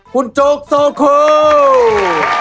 คุณจุ๊กโซคูล